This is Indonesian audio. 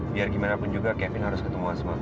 biar gimana pun juga kevin harus ketemu semua